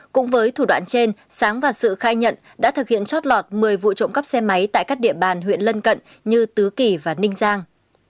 cũng với thủ đoạn trên sáng và sự khai nhận đã thực hiện chót lọt một mươi vụ trộm cắp xe máy tại các địa bàn huyện lân cận như tứ kỳ và ninh giang